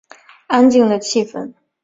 安静的气氛